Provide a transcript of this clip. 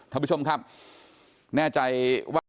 ท่านผู้ชมครับแน่ใจว่า